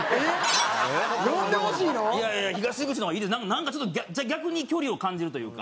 なんかちょっと逆に距離を感じるというか。